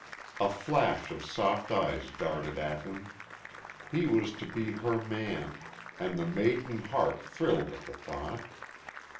A flash of soft eyes darted at him. He was to be her man, and the maiden heart thrilled at the thought.